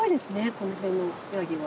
この辺のヤギは。